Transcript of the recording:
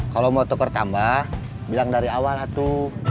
kalau mau tukar tambah bilang dari awal atu